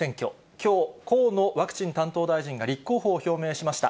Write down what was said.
きょう、河野ワクチン担当大臣が立候補を表明しました。